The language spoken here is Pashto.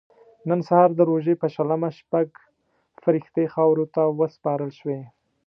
نن سهار د روژې په شلمه شپږ فرښتې خاورو ته وسپارل شوې.